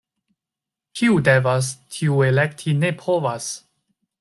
Kiu devas, tiu elekti ne povas.